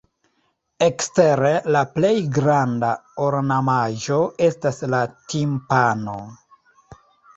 Ekstere la plej granda ornamaĵo estas la timpano.